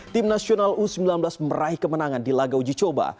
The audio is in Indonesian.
tim nasional u sembilan belas meraih kemenangan di laga uji coba